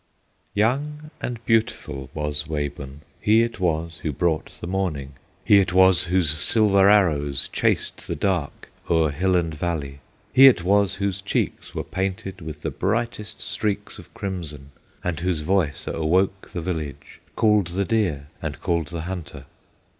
Young and beautiful was Wabun; He it was who brought the morning, He it was whose silver arrows Chased the dark o'er hill and valley; He it was whose cheeks were painted With the brightest streaks of crimson, And whose voice awoke the village, Called the deer, and called the hunter.